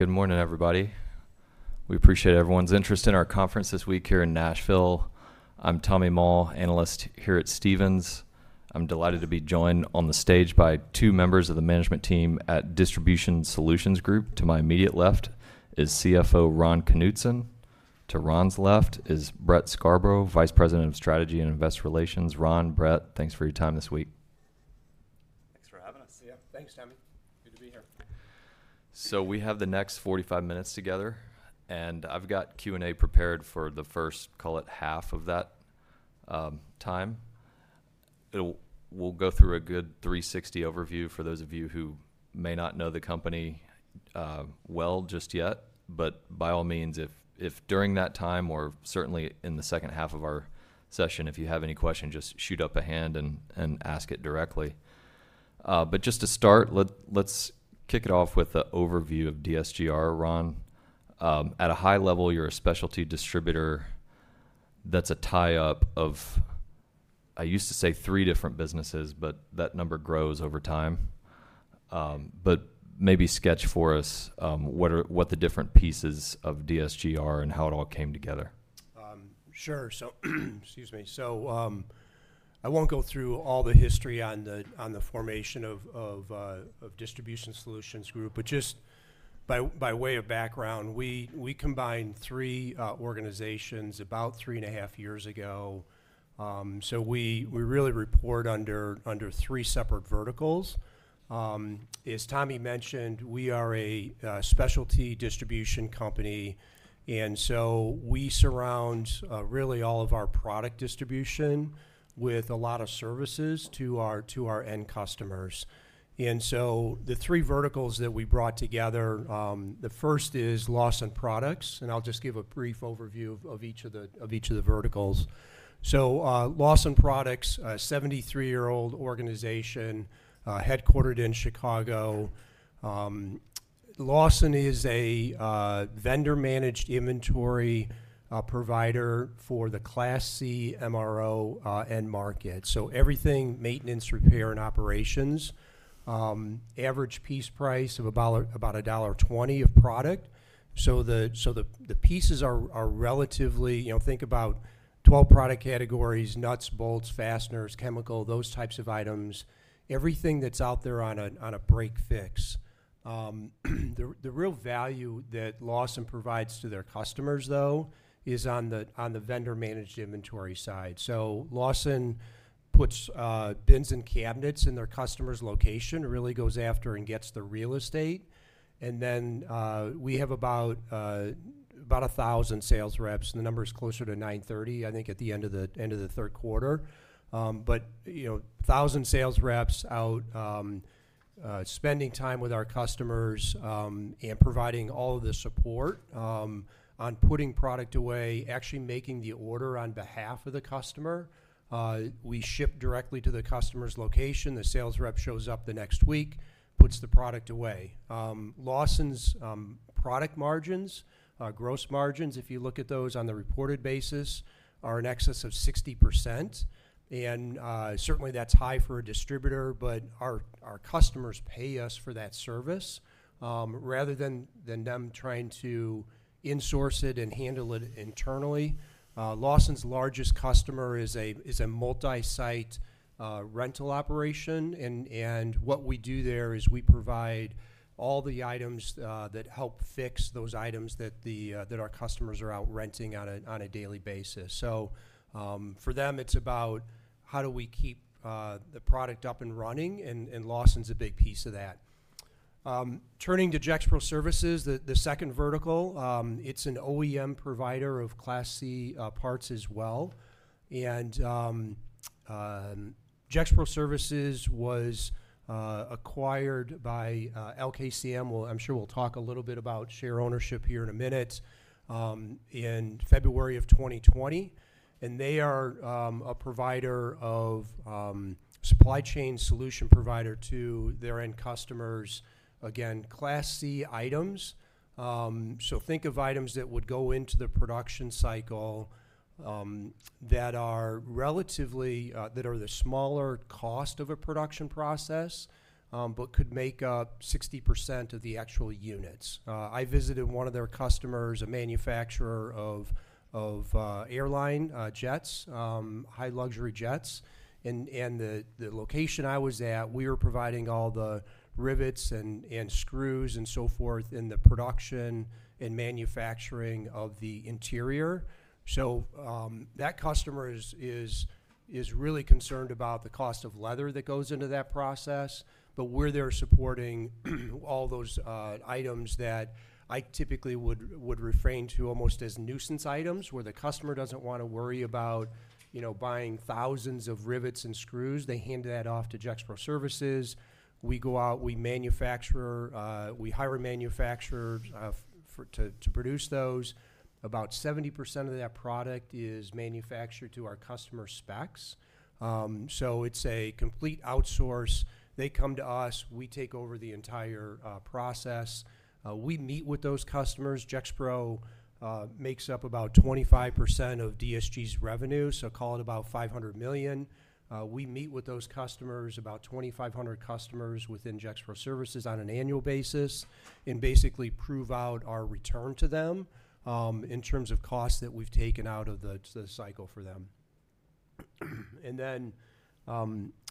Good morning, everybody. We appreciate everyone's interest in our conference this week here in Nashville. I'm Tommy Moll, Analyst here at Stephens. I'm delighted to be joined on the stage by two members of the management team at Distribution Solutions Group. To my immediate left is CFO Ron Knutson. To Ron's left is Brett Scarbrough, Vice President of Strategy and Investor Relations. Ron, Brett, thanks for your time this week. Thanks for having us. Yeah, thanks, Tommy. Good to be here. We have the next 45 minutes together, and I've got Q&A prepared for the first, call it, half of that time. We'll go through a good 360 overview for those of you who may not know the company well just yet. By all means, if during that time, or certainly in the second half of our session, if you have any questions, just shoot up a hand and ask it directly. Just to start, let's kick it off with the overview of DSGR. Ron, at a high level, you're a specialty distributor that's a tie-up of, I used to say, three different businesses, but that number grows over time. Maybe sketch for us what the different pieces of DSGR are and how it all came together. Sure. Excuse me. I won't go through all the history on the formation of Distribution Solutions Group, but just by way of background, we combined three organizations about three and a half years ago. We really report under three separate verticals. As Tommy mentioned, we are a specialty distribution company, and we surround really all of our product distribution with a lot of services to our end customers. The three verticals that we brought together, the first is Lawson Products, and I'll just give a brief overview of each of the verticals. Lawson Products, a 73-year-old organization headquartered in Chicago. Lawson is a vendor-managed inventory provider for the Class C MRO end market. Everything maintenance, repair, and operations, average piece price of about $1.20 of product. The pieces are relatively—think about 12 product categories: nuts, bolts, fasteners, chemical, those types of items, everything that's out there on a break fix. The real value that Lawson provides to their customers, though, is on the vendor-managed inventory side. Lawson puts bins and cabinets in their customer's location, really goes after and gets the real estate. We have about 1,000 sales reps, and the number is closer to 930, I think, at the end of the third quarter. 1,000 sales reps out spending time with our customers and providing all of the support on putting product away, actually making the order on behalf of the customer. We ship directly to the customer's location. The sales rep shows up the next week, puts the product away. Lawson's product margins, gross margins, if you look at those on the reported basis, are in excess of 60%. Certainly, that's high for a distributor, but our customers pay us for that service rather than them trying to insource it and handle it internally. Lawson's largest customer is a multi-site rental operation. What we do there is we provide all the items that help fix those items that our customers are out renting on a daily basis. For them, it's about how do we keep the product up and running, and Lawson's a big piece of that. Turning to Gexpro Services, the second vertical, it's an OEM provider of Class C parts as well. Gexpro Services was acquired by LKCM. I'm sure we'll talk a little bit about share ownership here in a minute in February of 2020. They are a supply chain solution provider to their end customers, again, Class C items. Think of items that would go into the production cycle that are the smaller cost of a production process but could make up 60% of the actual units. I visited one of their customers, a manufacturer of airline jets, high luxury jets. The location I was at, we were providing all the rivets and screws and so forth in the production and manufacturing of the interior. That customer is really concerned about the cost of leather that goes into that process, but we're there supporting all those items that I typically would refer to almost as nuisance items where the customer doesn't want to worry about buying thousands of rivets and screws. They hand that off to Gexpro Services. We go out, we manufacture, we hire a manufacturer to produce those. About 70% of that product is manufactured to our customer specs. It's a complete outsource. They come to us, we take over the entire process. We meet with those customers. Gexpro makes up about 25% of DSG's revenue, so call it about $500 million. We meet with those customers, about 2,500 customers within Gexpro Services on an annual basis, and basically prove out our return to them in terms of costs that we've taken out of the cycle for them.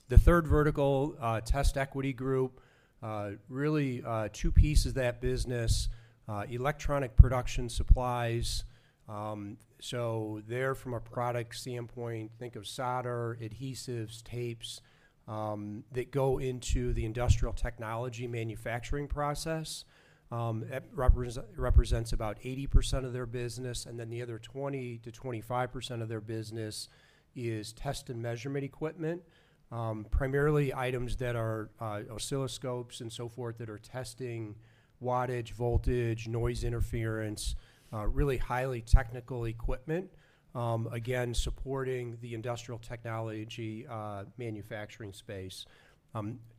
The third vertical, TestEquity Group, really two pieces of that business: electronic production supplies. There, from a product standpoint, think of solder, adhesives, tapes that go into the industrial technology manufacturing process. It represents about 80% of their business. The other 20%-25% of their business is test and measurement equipment, primarily items that are oscilloscopes and so forth that are testing wattage, voltage, noise interference, really highly technical equipment, again, supporting the industrial technology manufacturing space.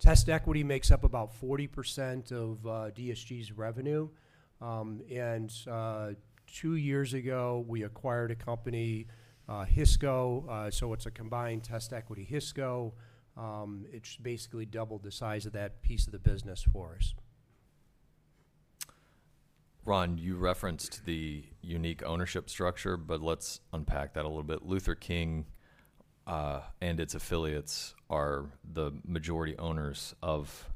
TestEquity makes up about 40% of DSG's revenue. Two years ago, we acquired a company, Hisco. It is a combined TestEquity-Hisco. It has basically doubled the size of that piece of the business for us. Ron, you referenced the unique ownership structure, but let's unpack that a little bit. Luther King and its affiliates are the majority owners of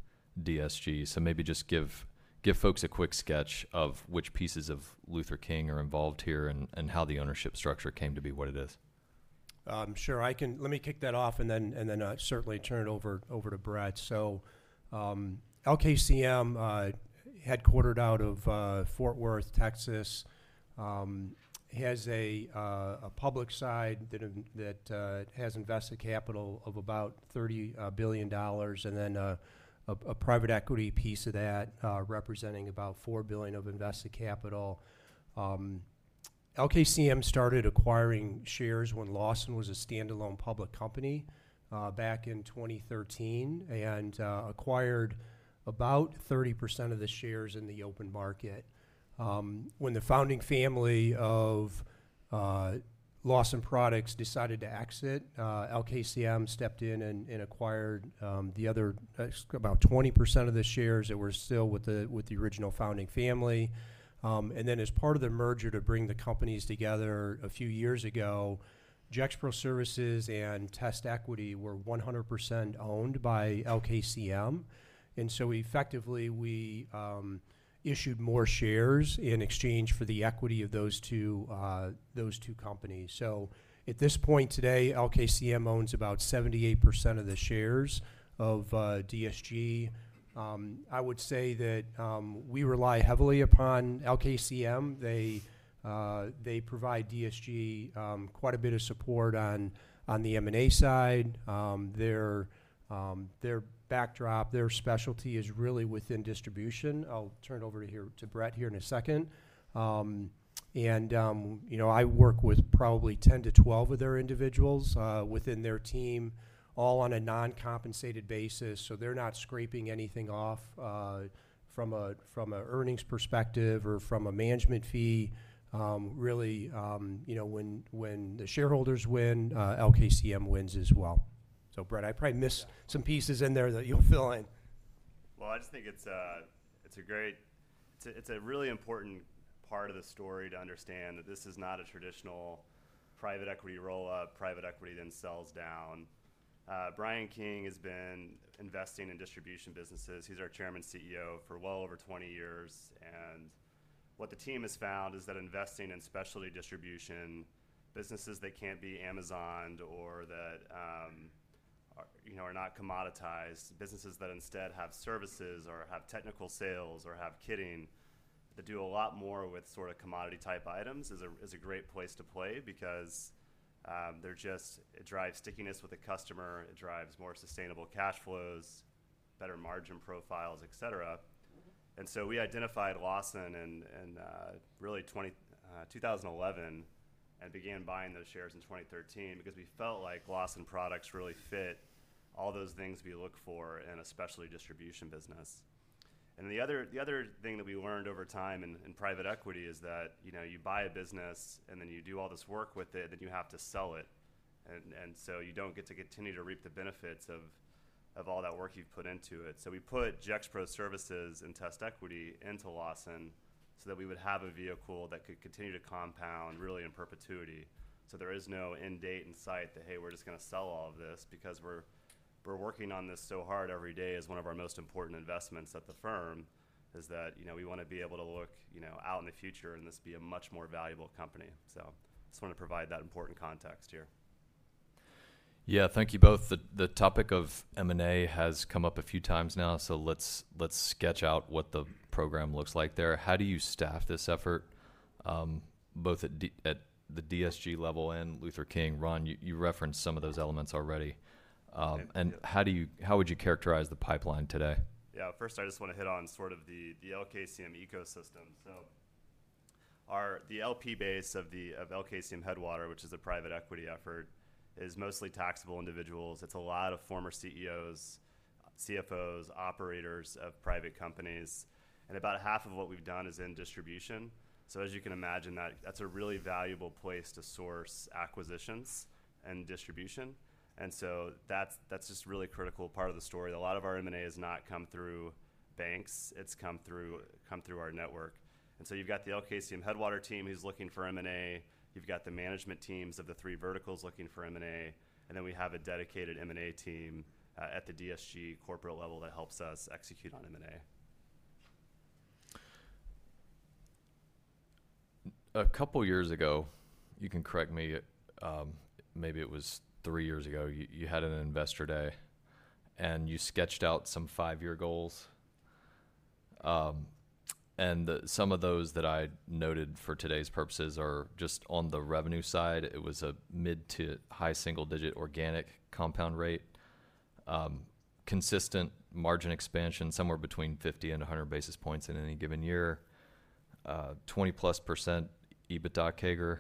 DSG. Maybe just give folks a quick sketch of which pieces of Luther King are involved here and how the ownership structure came to be what it is. Sure. Let me kick that off and then certainly turn it over to Brett. LKCM, headquartered out of Fort Worth, Texas, has a public side that has invested capital of about $30 billion and then a private equity piece of that representing about $4 billion of invested capital. LKCM started acquiring shares when Lawson was a standalone public company back in 2013 and acquired about 30% of the shares in the open market. When the founding family of Lawson Products decided to exit, LKCM stepped in and acquired the other about 20% of the shares that were still with the original founding family. As part of the merger to bring the companies together a few years ago, Gexpro Services and TestEquity were 100% owned by LKCM. Effectively, we issued more shares in exchange for the equity of those two companies. At this point today, LKCM owns about 78% of the shares of DSG. I would say that we rely heavily upon LKCM. They provide DSG quite a bit of support on the M&A side. Their backdrop, their specialty is really within distribution. I'll turn it over to Brett here in a second. I work with probably 10-12 of their individuals within their team, all on a non-compensated basis. They're not scraping anything off from an earnings perspective or from a management fee. Really, when the shareholders win, LKCM wins as well. Brett, I probably missed some pieces in there that you'll fill in. I just think it's a great, it's a really important part of the story to understand that this is not a traditional private equity roll-up. Private equity then sells down. Bryan King has been investing in distribution businesses. He's our Chairman CEO for well over 20 years. What the team has found is that investing in specialty distribution businesses that can't be Amazoned or that are not commoditized, businesses that instead have services or have technical sales or have kitting that do a lot more with sort of commodity-type items is a great place to play because it drives stickiness with the customer. It drives more sustainable cash flows, better margin profiles, etc. We identified Lawson in really 2011 and began buying those shares in 2013 because we felt like Lawson Products really fit all those things we look for in a specialty distribution business. The other thing that we learned over time in private equity is that you buy a business, and then you do all this work with it, and then you have to sell it. You do not get to continue to reap the benefits of all that work you have put into it. We put Gexpro Services and TestEquity into Lawson so that we would have a vehicle that could continue to compound really in perpetuity. There is no end date in sight that, "Hey, we are just going to sell all of this because we are working on this so hard every day as one of our most important investments at the firm," is that we want to be able to look out in the future and this be a much more valuable company. I just wanted to provide that important context here. Yeah. Thank you both. The topic of M&A has come up a few times now, so let's sketch out what the program looks like there. How do you staff this effort, both at the DSG level and Luther King? Ron, you referenced some of those elements already. How would you characterize the pipeline today? Yeah. First, I just want to hit on sort of the LKCM ecosystem. The LP base of LKCM Headwater, which is a private equity effort, is mostly taxable individuals. It's a lot of former CEOs, CFOs, operators of private companies. About half of what we've done is in distribution. As you can imagine, that's a really valuable place to source acquisitions and distribution. That's just a really critical part of the story. A lot of our M&A has not come through banks. It's come through our network. You've got the LKCM Headwater team who's looking for M&A. You've got the management teams of the three verticals looking for M&A. We have a dedicated M&A team at the DSG corporate level that helps us execute on M&A. A couple of years ago, you can correct me, maybe it was three years ago, you had an investor day and you sketched out some five-year goals. And some of those that I noted for today's purposes are just on the revenue side. It was a mid to high single-digit organic compound rate, consistent margin expansion somewhere between 50 basis points and 100 basis points in any given year, 20%+ EBITDA CAGR.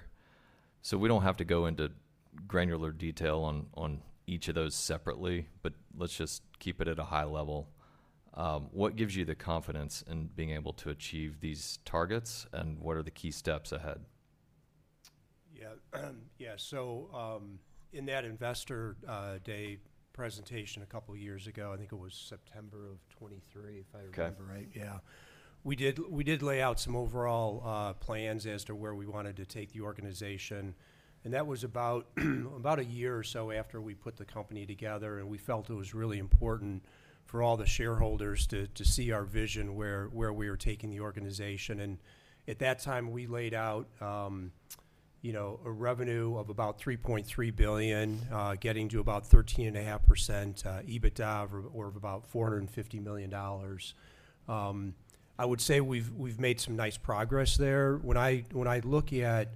So we don't have to go into granular detail on each of those separately, but let's just keep it at a high level. What gives you the confidence in being able to achieve these targets, and what are the key steps ahead? Yeah. Yeah. So in that investor day presentation a couple of years ago, I think it was September of 2023, if I remember right. Okay. Yeah. We did lay out some overall plans as to where we wanted to take the organization. That was about a year or so after we put the company together. We felt it was really important for all the shareholders to see our vision where we were taking the organization. At that time, we laid out a revenue of about $3.3 billion, getting to about 13.5% EBITDA or about $450 million. I would say we've made some nice progress there. When I look at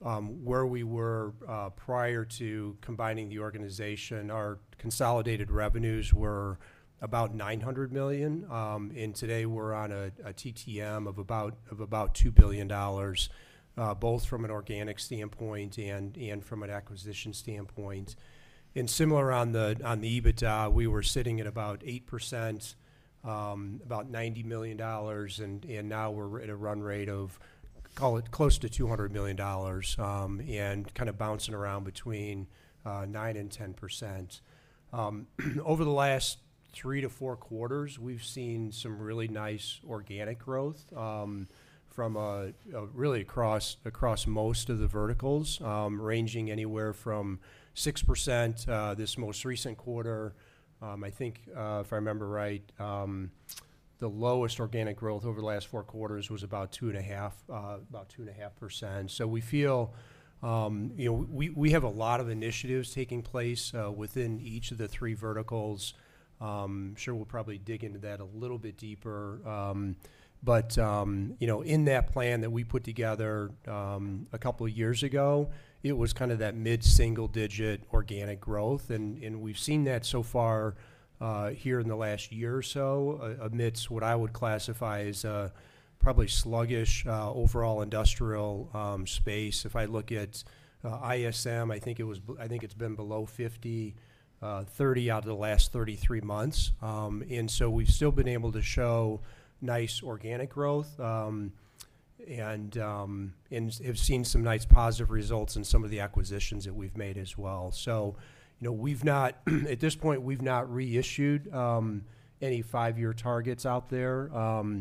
where we were prior to combining the organization, our consolidated revenues were about $900 million. Today, we're on a TTM of about $2 billion, both from an organic standpoint and from an acquisition standpoint. Similar on the EBITDA, we were sitting at about 8%, about $90 million. Now we're at a run rate of, call it, close to $200 million and kind of bouncing around between 9% and 10%. Over the last three to four quarters, we've seen some really nice organic growth from really across most of the verticals, ranging anywhere from 6% this most recent quarter. I think, if I remember right, the lowest organic growth over the last four quarters was about 2.5%. We feel we have a lot of initiatives taking place within each of the three verticals. I'm sure we'll probably dig into that a little bit deeper. In that plan that we put together a couple of years ago, it was kind of that mid-single-digit organic growth. We've seen that so far here in the last year or so amidst what I would classify as probably sluggish overall industrial space. If I look at ISM, I think it's been below 50, 30 out of the last 33 months. We've still been able to show nice organic growth and have seen some nice positive results in some of the acquisitions that we've made as well. At this point, we've not reissued any five-year targets out there.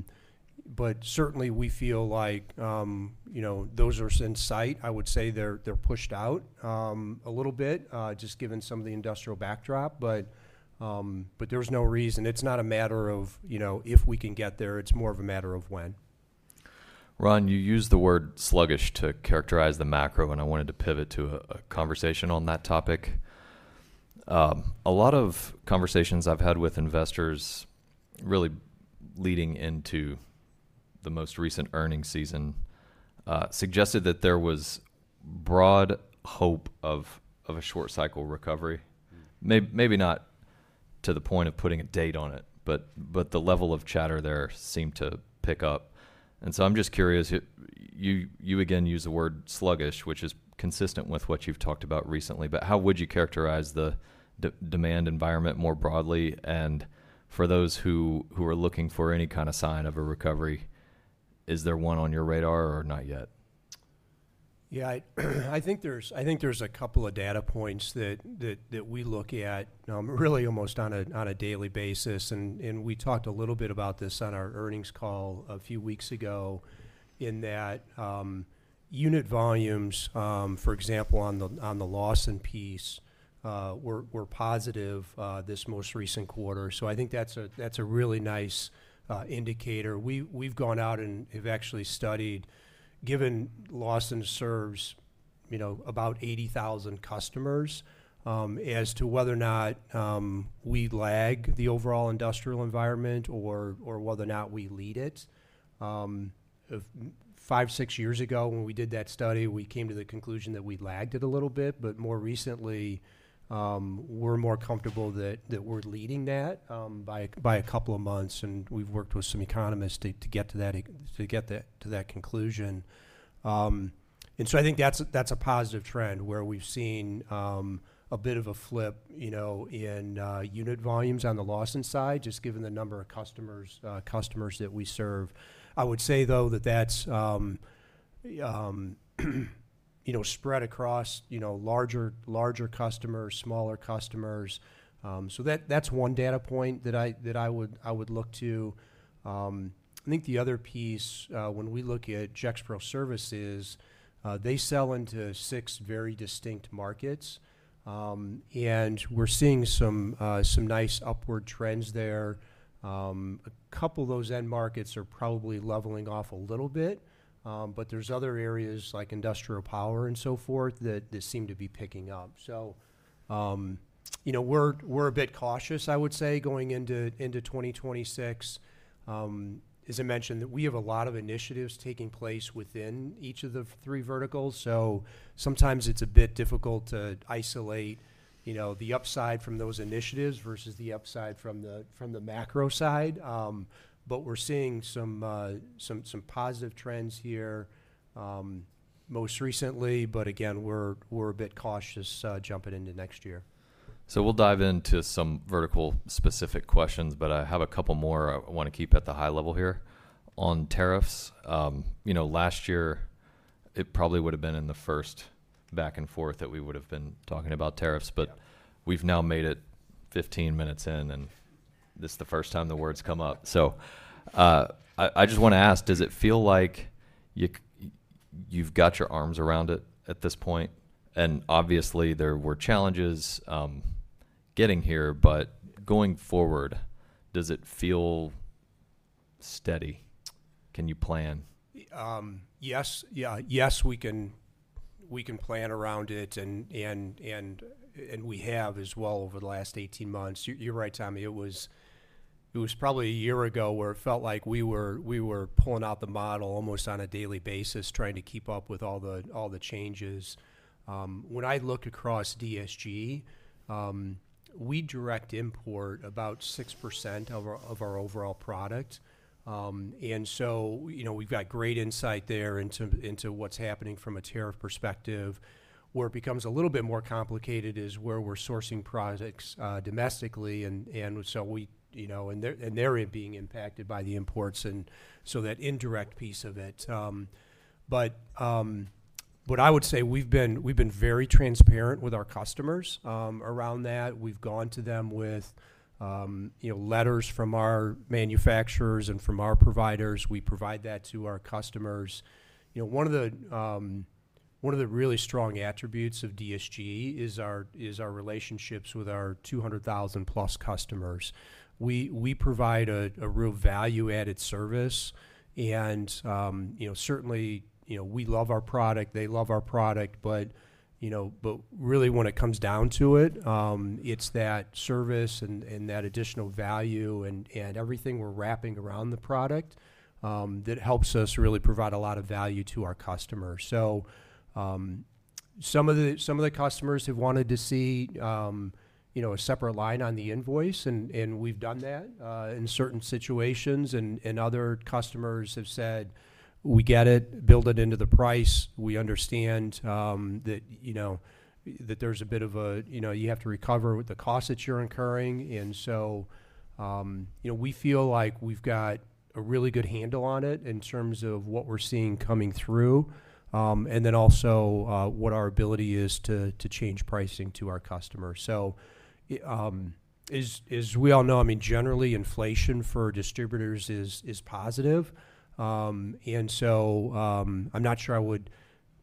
Certainly, we feel like those are in sight. I would say they're pushed out a little bit just given some of the industrial backdrop. There's no reason. It's not a matter of if we can get there. It's more of a matter of when. Ron, you used the word sluggish to characterize the macro, and I wanted to pivot to a conversation on that topic. A lot of conversations I've had with investors really leading into the most recent earnings season suggested that there was broad hope of a short-cycle recovery. Maybe not to the point of putting a date on it, but the level of chatter there seemed to pick up. I'm just curious. You again use the word sluggish, which is consistent with what you've talked about recently. How would you characterize the demand environment more broadly? For those who are looking for any kind of sign of a recovery, is there one on your radar or not yet? Yeah. I think there's a couple of data points that we look at really almost on a daily basis. We talked a little bit about this on our earnings call a few weeks ago in that unit volumes, for example, on the Lawson piece, were positive this most recent quarter. I think that's a really nice indicator. We've gone out and have actually studied, given Lawson serves about 80,000 customers, as to whether or not we lag the overall industrial environment or whether or not we lead it. Five, six years ago, when we did that study, we came to the conclusion that we lagged it a little bit. More recently, we're more comfortable that we're leading that by a couple of months. We've worked with some economists to get to that conclusion. I think that's a positive trend where we've seen a bit of a flip in unit volumes on the Lawson side, just given the number of customers that we serve. I would say, though, that that's spread across larger customers, smaller customers. That's one data point that I would look to. I think the other piece, when we look at Gexpro Services, they sell into six very distinct markets. We're seeing some nice upward trends there. A couple of those end markets are probably leveling off a little bit. There's other areas like industrial power and so forth that seem to be picking up. We're a bit cautious, I would say, going into 2026. As I mentioned, we have a lot of initiatives taking place within each of the three verticals. Sometimes it's a bit difficult to isolate the upside from those initiatives versus the upside from the macro side. We're seeing some positive trends here most recently. Again, we're a bit cautious jumping into next year. We'll dive into some vertical-specific questions, but I have a couple more I want to keep at the high level here on tariffs. Last year, it probably would have been in the first back and forth that we would have been talking about tariffs. We have now made it 15 minutes in, and this is the first time the word has come up. I just want to ask, does it feel like you've got your arms around it at this point? Obviously, there were challenges getting here. Going forward, does it feel steady? Can you plan? Yes. Yeah. Yes, we can plan around it. We have as well over the last 18 months. You're right, Tommy. It was probably a year ago where it felt like we were pulling out the model almost on a daily basis, trying to keep up with all the changes. When I look across DSG, we direct import about 6% of our overall product. We have great insight there into what's happening from a tariff perspective. Where it becomes a little bit more complicated is where we're sourcing products domestically. They're being impacted by the imports and that indirect piece of it. I would say we've been very transparent with our customers around that. We've gone to them with letters from our manufacturers and from our providers. We provide that to our customers. One of the really strong attributes of DSG is our relationships with our 200,000+ customers. We provide a real value-added service. We love our product. They love our product. When it comes down to it, it's that service and that additional value and everything we're wrapping around the product that helps us really provide a lot of value to our customers. Some of the customers have wanted to see a separate line on the invoice, and we've done that in certain situations. Other customers have said, "We get it. Build it into the price." We understand that there's a bit of a you have to recover with the cost that you're incurring. And so we feel like we've got a really good handle on it in terms of what we're seeing coming through and then also what our ability is to change pricing to our customers. So as we all know, I mean, generally, inflation for distributors is positive. And so I'm not sure I would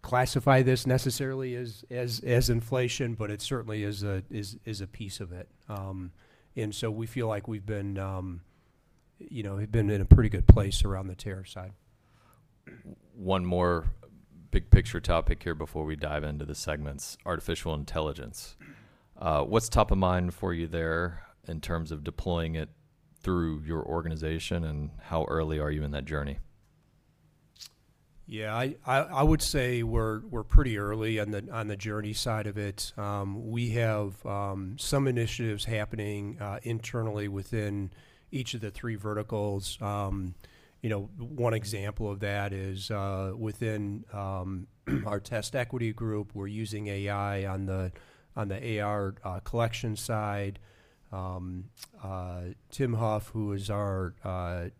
classify this necessarily as inflation, but it certainly is a piece of it. And so we feel like we've been in a pretty good place around the tariff side. One more big-picture topic here before we dive into the segments, artificial intelligence. What's top of mind for you there in terms of deploying it through your organization, and how early are you in that journey? Yeah. I would say we're pretty early on the journey side of it. We have some initiatives happening internally within each of the three verticals. One example of that is within our TestEquity Group. We're using AI on the AR collection side. Tim Hoff, who is our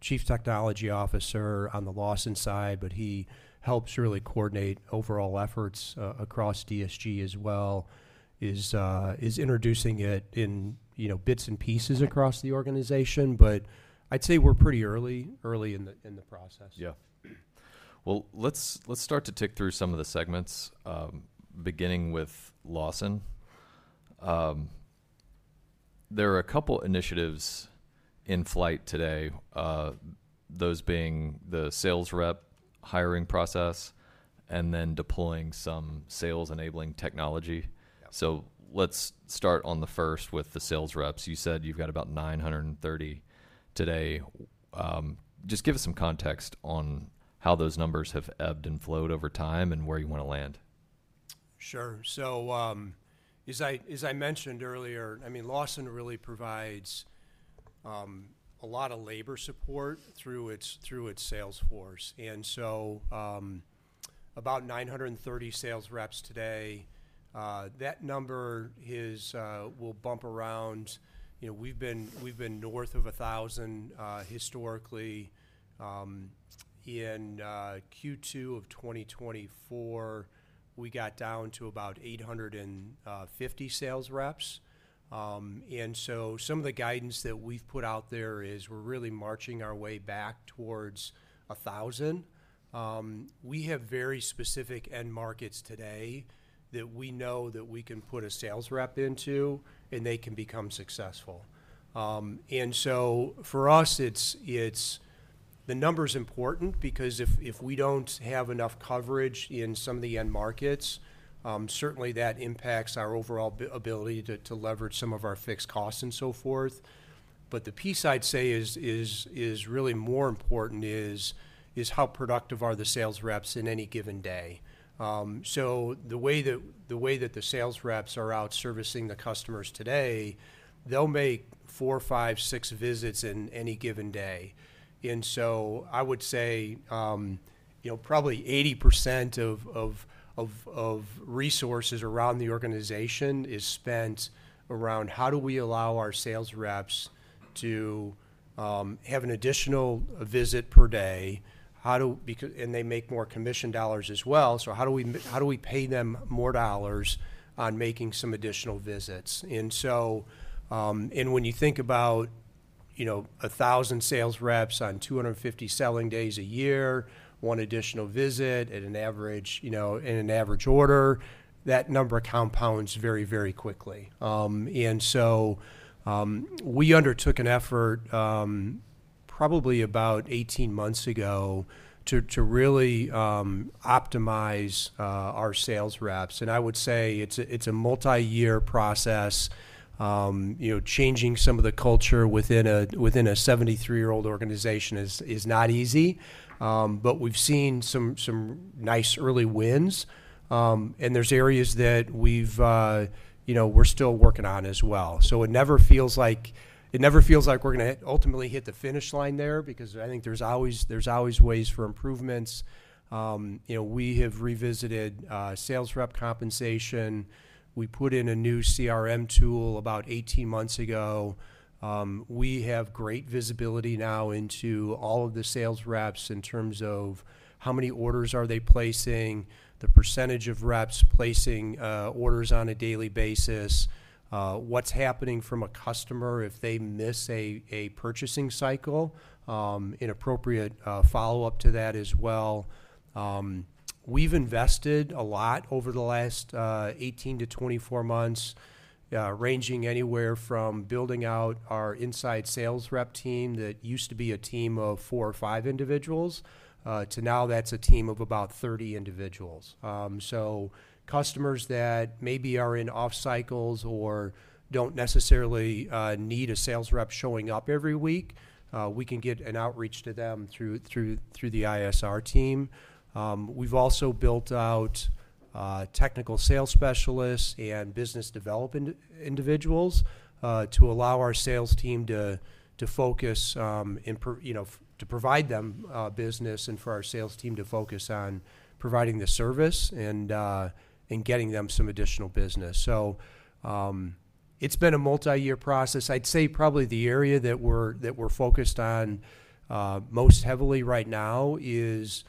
Chief Technology Officer on the Lawson side, but he helps really coordinate overall efforts across DSG as well, is introducing it in bits and pieces across the organization. I'd say we're pretty early in the process. Yeah. Let's start to tick through some of the segments, beginning with Lawson. There are a couple of initiatives in flight today, those being the sales rep hiring process and then deploying some sales-enabling technology. Let's start on the first with the sales reps. You said you've got about 930 today. Just give us some context on how those numbers have ebbed and flowed over time and where you want to land. Sure. As I mentioned earlier, I mean, Lawson really provides a lot of labor support through its sales force. About 930 sales reps today. That number will bump around. We've been north of 1,000 historically. In Q2 of 2024, we got down to about 850 sales reps. Some of the guidance that we've put out there is we're really marching our way back towards 1,000. We have very specific end markets today that we know that we can put a sales rep into, and they can become successful. For us, the number's important because if we don't have enough coverage in some of the end markets, certainly that impacts our overall ability to leverage some of our fixed costs and so forth. The piece I'd say is really more important is how productive are the sales reps in any given day. The way that the sales reps are out servicing the customers today, they'll make four, five, six visits in any given day. I would say probably 80% of resources around the organization is spent around how do we allow our sales reps to have an additional visit per day? They make more commission dollars as well. How do we pay them more dollars on making some additional visits? When you think about 1,000 sales reps on 250 selling days a year, one additional visit in an average order, that number compounds very, very quickly. We undertook an effort probably about 18 months ago to really optimize our sales reps. I would say it's a multi-year process. Changing some of the culture within a 73-year-old organization is not easy. We've seen some nice early wins. There are areas that we're still working on as well. It never feels like we're going to ultimately hit the finish line there because I think there's always ways for improvements. We have revisited sales rep compensation. We put in a new CRM tool about 18 months ago. We have great visibility now into all of the sales reps in terms of how many orders are they placing, the % of reps placing orders on a daily basis, what's happening from a customer if they miss a purchasing cycle, inappropriate follow-up to that as well. We've invested a lot over the last 18-24 months, ranging anywhere from building out our inside sales rep team that used to be a team of four or five individuals to now that's a team of about 30 individuals. Customers that maybe are in off-cycles or do not necessarily need a sales rep showing up every week, we can get an outreach to them through the ISR team. We have also built out technical sales specialists and business development individuals to allow our sales team to focus, to provide them business and for our sales team to focus on providing the service and getting them some additional business. It has been a multi-year process. I would say probably the area that we are focused on most heavily right now is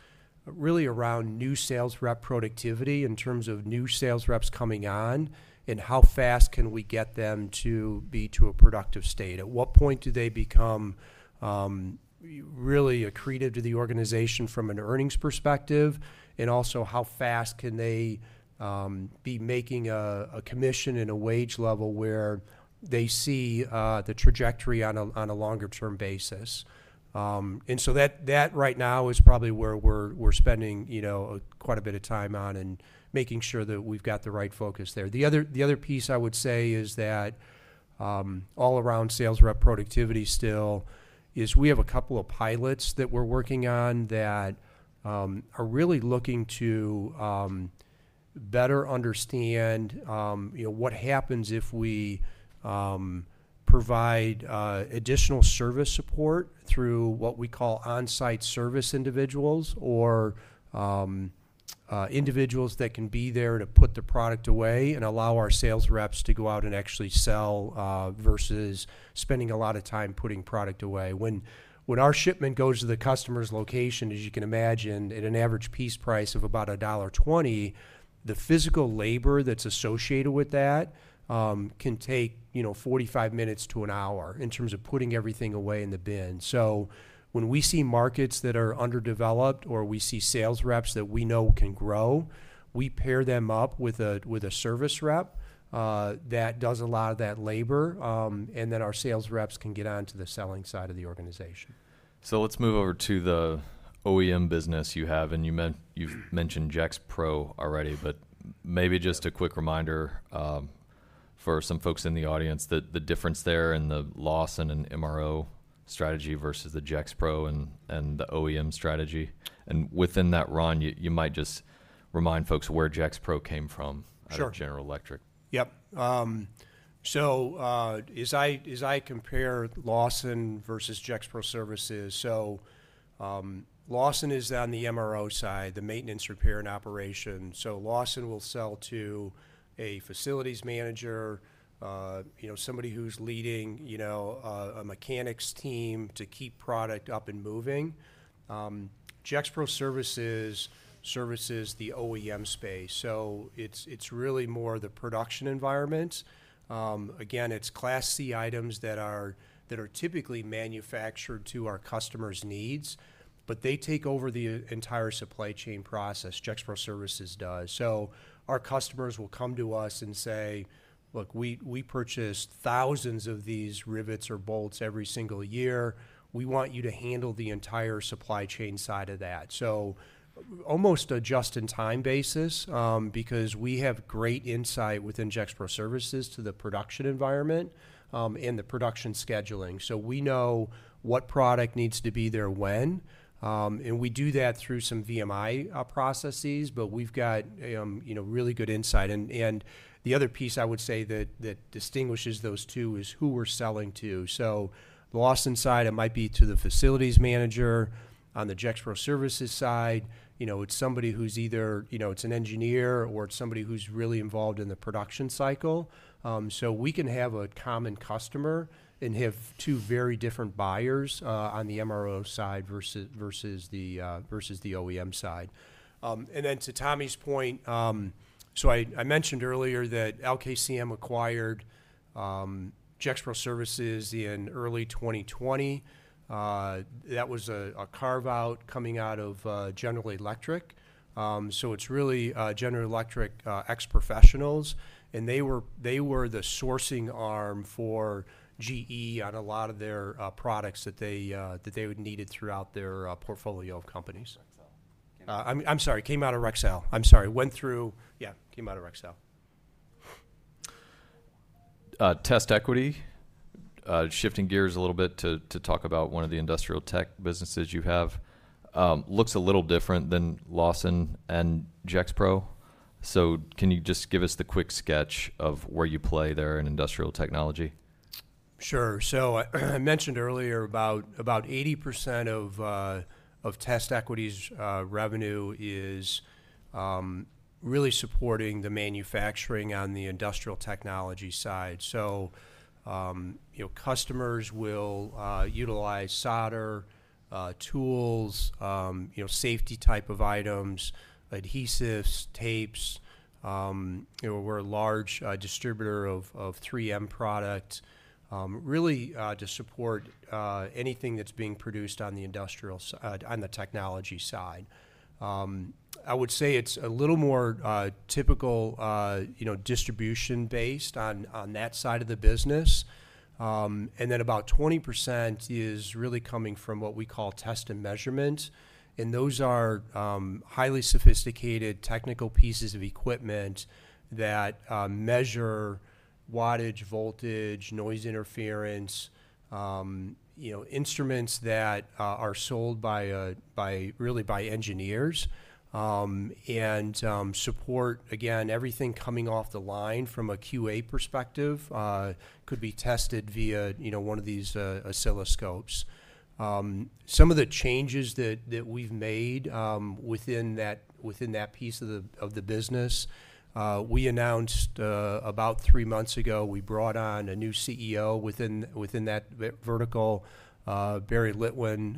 really around new sales rep productivity in terms of new sales reps coming on and how fast can we get them to be to a productive state. At what point do they become really accretive to the organization from an earnings perspective? Also, how fast can they be making a commission and a wage level where they see the trajectory on a longer-term basis? That right now is probably where we're spending quite a bit of time on and making sure that we've got the right focus there. The other piece I would say is that all around sales rep productivity still is we have a couple of pilots that we're working on that are really looking to better understand what happens if we provide additional service support through what we call on-site service individuals or individuals that can be there to put the product away and allow our sales reps to go out and actually sell versus spending a lot of time putting product away. When our shipment goes to the customer's location, as you can imagine, at an average piece price of about $1.20, the physical labor that's associated with that can take 45 minutes to an hour in terms of putting everything away in the bin. When we see markets that are underdeveloped or we see sales reps that we know can grow, we pair them up with a service rep that does a lot of that labor, and then our sales reps can get onto the selling side of the organization. Let's move over to the OEM business you have. You've mentioned Gexpro already. Maybe just a quick reminder for some folks in the audience, the difference there in the Lawson and MRO strategy versus the Gexpro and the OEM strategy. Within that, Ron, you might just remind folks where Gexpro came from at General Electric. Sure. Yep. As I compare Lawson versus Gexpro Services, Lawson is on the MRO side, the maintenance, repair, and operations. Lawson will sell to a facilities manager, somebody who's leading a mechanics team to keep product up and moving. Gexpro Services services the OEM space. It is really more the production environment. Again, it is Class C items that are typically manufactured to our customers' needs. They take over the entire supply chain process. Gexpro Services does. Our customers will come to us and say, "Look, we purchase thousands of these rivets or bolts every single year. We want you to handle the entire supply chain side of that." Almost a just-in-time basis because we have great insight within Gexpro Services to the production environment and the production scheduling. We know what product needs to be there when. We do that through some VMI processes, but we've got really good insight. The other piece I would say that distinguishes those two is who we're selling to. On the Lawson side, it might be to the facilities manager. On the Gexpro Services side, it's somebody who's either an engineer or somebody who's really involved in the production cycle. We can have a common customer and have two very different buyers on the MRO side versus the OEM side. To Tommy's point, I mentioned earlier that LKCM acquired Gexpro Services in early 2020. That was a carve-out coming out of General Electric. It's really General Electric ex-professionals, and they were the sourcing arm for GE on a lot of their products that they would need throughout their portfolio of companies. I'm sorry, came out of Rexel. I'm sorry. Went through, yeah, came out of Rexel. TestEquity, shifting gears a little bit to talk about one of the industrial tech businesses you have, looks a little different than Lawson and Gexpro. Can you just give us the quick sketch of where you play there in industrial technology? Sure. I mentioned earlier about 80% of TestEquity's revenue is really supporting the manufacturing on the industrial technology side. Customers will utilize solder, tools, safety type of items, adhesives, tapes. We are a large distributor of 3M products really to support anything that is being produced on the technology side. I would say it is a little more typical distribution-based on that side of the business. About 20% is really coming from what we call test and measurement. Those are highly sophisticated technical pieces of equipment that measure wattage, voltage, noise interference, instruments that are sold really by engineers and support, again, everything coming off the line from a QA perspective could be tested via one of these oscilloscopes. Some of the changes that we have made within that piece of the business, we announced about three months ago. We brought on a new CEO within that vertical, Barry Litwin.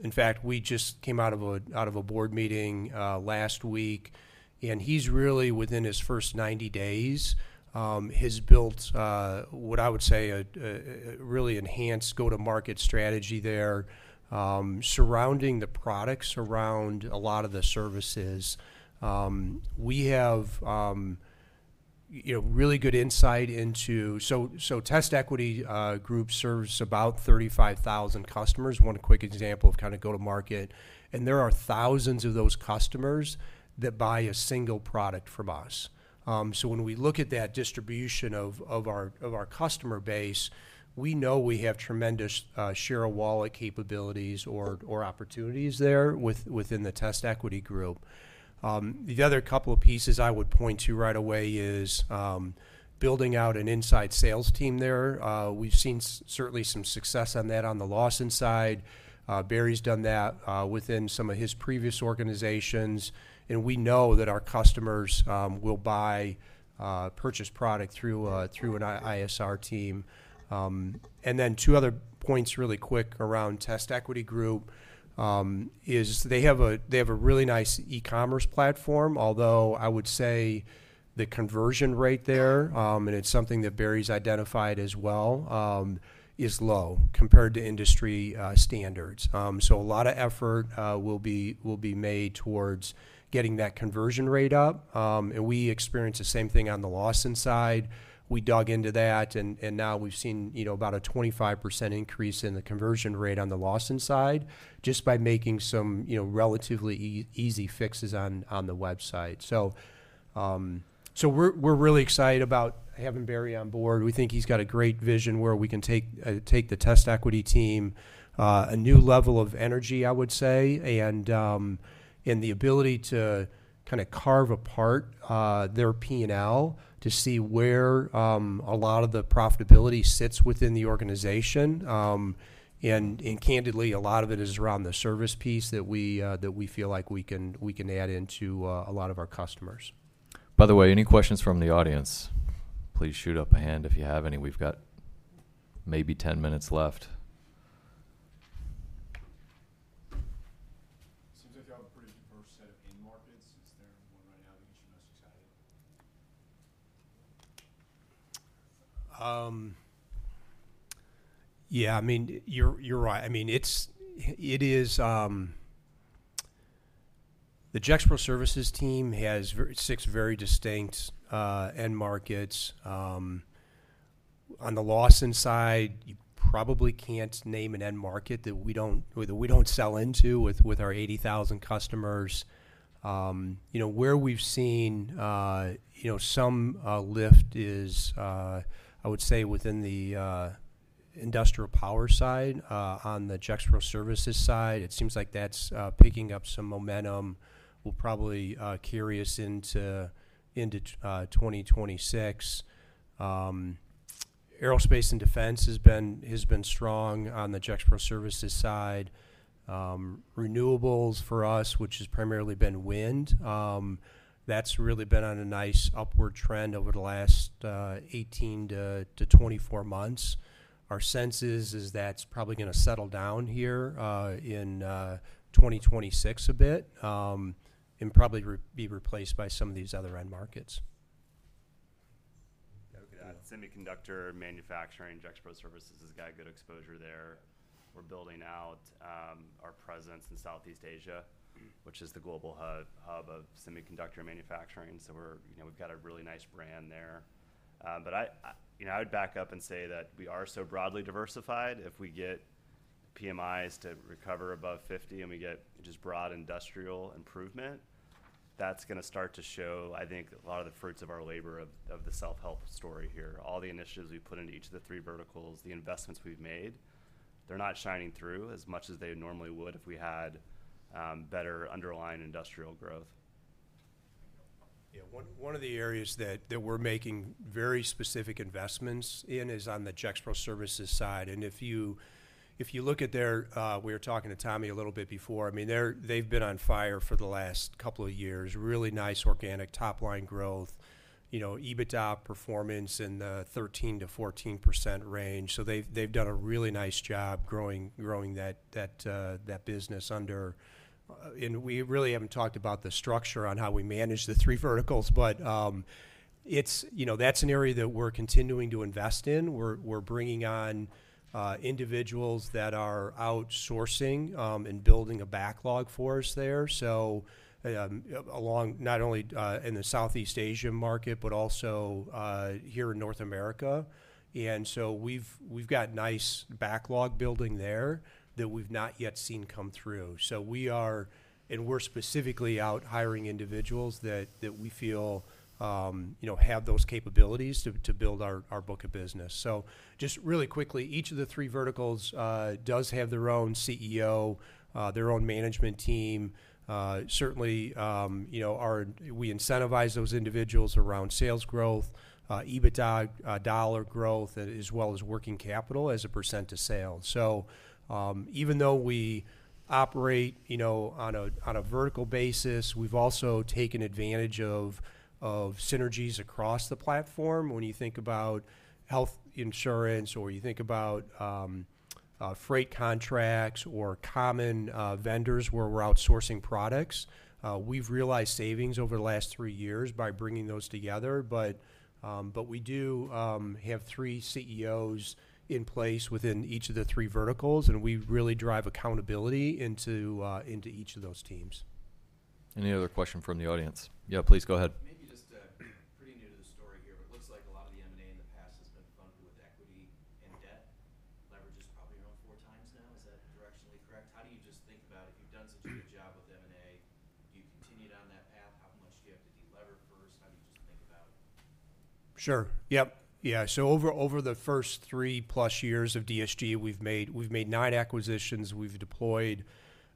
In fact, we just came out of a board meeting last week. He's really, within his first 90 days, built what I would say is a really enhanced go-to-market strategy there surrounding the products, around a lot of the services. We have really good insight into, so TestEquity Group serves about 35,000 customers. One quick example of kind of go-to-market, there are thousands of those customers that buy a single product from us. When we look at that distribution of our customer base, we know we have tremendous share of wallet capabilities or opportunities there within the TestEquity Group. The other couple of pieces I would point to right away is building out an inside sales team there. We've seen certainly some success on that on the Lawson side. Barry's done that within some of his previous organizations. We know that our customers will purchase product through an ISR team. Two other points really quick around TestEquity Group is they have a really nice e-commerce platform, although I would say the conversion rate there, and it's something that Barry's identified as well, is low compared to industry standards. A lot of effort will be made towards getting that conversion rate up. We experienced the same thing on the Lawson side. We dug into that, and now we've seen about a 25% increase in the conversion rate on the Lawson side just by making some relatively easy fixes on the website. We're really excited about having Barry on board. We think he's got a great vision where we can take the TestEquity team, a new level of energy, I would say, and the ability to kind of carve apart their P&L to see where a lot of the profitability sits within the organization. Candidly, a lot of it is around the service piece that we feel like we can add into a lot of our customers. By the way, any questions from the audience? Please shoot up a hand if you have any. We've got maybe 10 minutes left. Seems like you have a pretty diverse set of in-markets. Is there one right now that gets you most excited? Yeah. I mean, you're right. I mean, the Gexpro Services team has six very distinct end markets. On the Lawson side, you probably can't name an end market that we don't sell into with our 80,000 customers. Where we've seen some lift is, I would say, within the industrial power side on the Gexpro Services side. It seems like that's picking up some momentum. We'll probably carry us into 2026. Aerospace and defense has been strong on the Gexpro Services side. Renewables for us, which has primarily been wind, that's really been on a nice upward trend over the last 18-24 months. Our sense is that's probably going to settle down here in 2026 a bit and probably be replaced by some of these other end markets. Semiconductor manufacturing, Gexpro Services has got good exposure there. We're building out our presence in Southeast Asia, which is the global hub of semiconductor manufacturing. We have a really nice brand there. I would back up and say that we are so broadly diversified. If we get PMIs to recover above 50 and we get just broad industrial improvement, that is going to start to show, I think, a lot of the fruits of our labor of the self-help story here. All the initiatives we have put into each of the three verticals, the investments we have made, they are not shining through as much as they normally would if we had better underlying industrial growth. Yeah. One of the areas that we're making very specific investments in is on the Gexpro Services side. If you look at their—we were talking to Tommy a little bit before—I mean, they've been on fire for the last couple of years. Really nice organic top-line growth, EBITDA performance in the 13%-14% range. They've done a really nice job growing that business under. We really haven't talked about the structure on how we manage the three verticals, but that's an area that we're continuing to invest in. We're bringing on individuals that are outsourcing and building a backlog for us there, not only in the Southeast Asia market, but also here in North America. We've got nice backlog building there that we've not yet seen come through. We are specifically out hiring individuals that we feel have those capabilities to build our book of business. Just really quickly, each of the three verticals does have their own CEO, their own management team. Certainly, we incentivize those individuals around sales growth, EBITDA dollar growth, as well as working capital as a percent of sales. Even though we operate on a vertical basis, we have also taken advantage of synergies across the platform. When you think about health insurance or you think about freight contracts or common vendors where we are outsourcing products, we have realized savings over the last three years by bringing those together. We do have three CEOs in place within each of the three verticals, and we really drive accountability into each of those teams. Any other question from the audience? Yeah, please go ahead. Maybe just pretty new to the story here, but it looks like a lot of the M&A in the past has been funded with equity and debt. Leverage is probably around four times now. Is that directionally correct? How do you just think about it? You've done such a good job with M&A. Do you continue down that path? How much do you have to delever first? How do you just think about it? Sure. Yep. Yeah. Over the first 3+ years of DSG, we've made nine acquisitions. We've deployed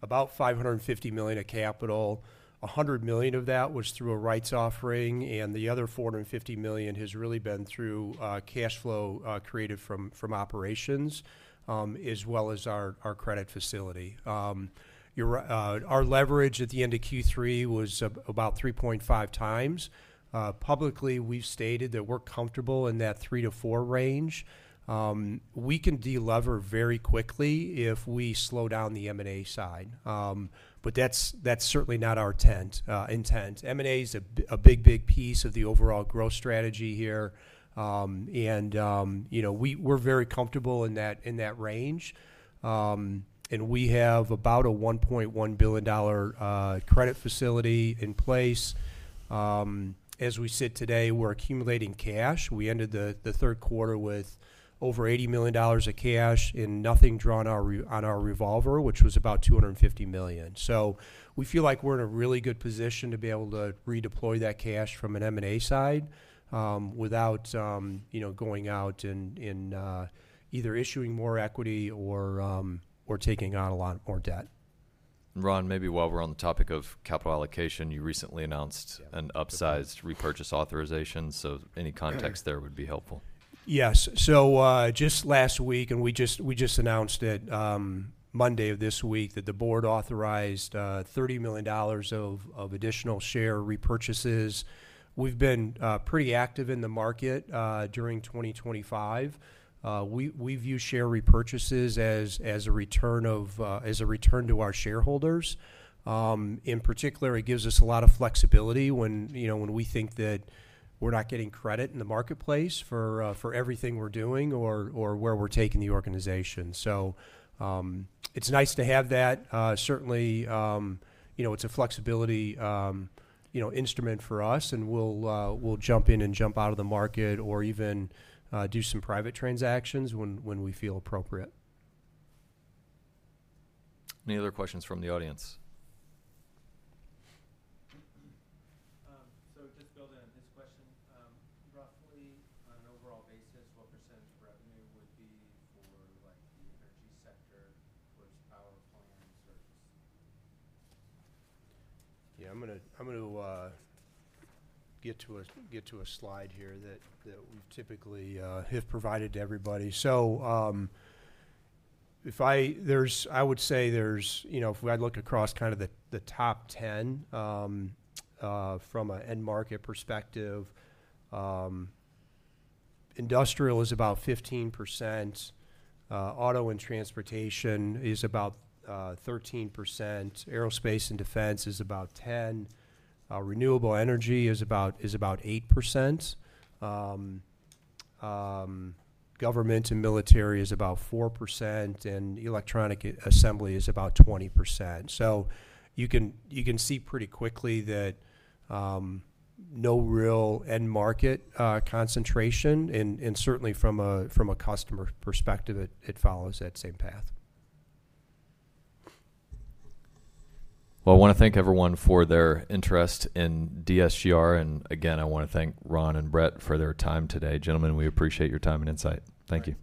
about $550 million of capital. $100 million of that was through a rights offering, and the other $450 million has really been through cash flow created from operations as well as our credit facility. Our leverage at the end of Q3 was about 3.5x. Publicly, we've stated that we're comfortable in that 3x-4x range. We can delever very quickly if we slow down the M&A side. That is certainly not our intent. M&A is a big, big piece of the overall growth strategy here. We are very comfortable in that range. We have about a $1.1 billion credit facility in place. As we sit today, we're accumulating cash. We ended the third quarter with over $80 million of cash and nothing drawn on our revolver, which was about $250 million. We feel like we're in a really good position to be able to redeploy that cash from an M&A side without going out and either issuing more equity or taking on a lot more debt. Ron, maybe while we're on the topic of capital allocation, you recently announced an upsized repurchase authorization. Any context there would be helpful. Yes. Just last week, and we just announced it Monday of this week, the board authorized $30 million of additional share repurchases. We've been pretty active in the market during 2025. We view share repurchases as a return to our shareholders. In particular, it gives us a lot of flexibility when we think that we're not getting credit in the marketplace for everything we're doing or where we're taking the organization. It is nice to have that. Certainly, it is a flexibility instrument for us, and we'll jump in and jump out of the market or even do some private transactions when we feel appropriate. Any other questions from the audience? Just building on his question, roughly on an overall basis, what percentage of revenue would be for the energy sector, towards power plants or just? Yeah. I'm going to get to a slide here that we've typically have provided to everybody. I would say if we had to look across kind of the top 10 from an end market perspective, industrial is about 15%. Auto and transportation is about 13%. Aerospace and defense is about 10%. Renewable energy is about 8%. Government and military is about 4%. Electronic assembly is about 20%. You can see pretty quickly that no real end market concentration. Certainly, from a customer perspective, it follows that same path. I want to thank everyone for their interest in DSGR. Again, I want to thank Ron and Brett for their time today. Gentlemen, we appreciate your time and insight. Thank you.